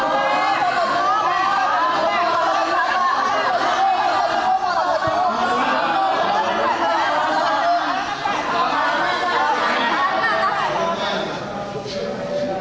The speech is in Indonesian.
crear kesenangan terhadap kitab apa itu